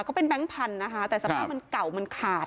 ก็เป็นแบงค์พันธุ์นะคะแต่สมมุติมันเก่ามันขาด